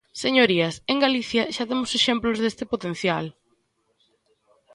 Señorías, en Galicia xa temos exemplos deste potencial.